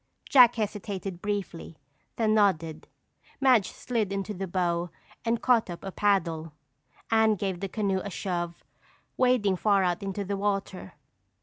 Jack hesitated briefly, then nodded. Madge slid into the bow and caught up a paddle. Anne gave the canoe a shove, wading far out into the water.